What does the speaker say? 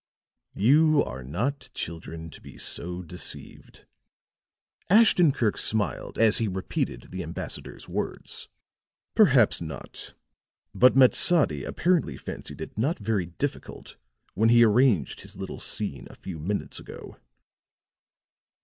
"You are not children to be so deceived," Ashton Kirk smiled as he repeated the ambassador's words. "Perhaps not; but Matsadi apparently fancied it not very difficult when he arranged his little scene a few minutes ago."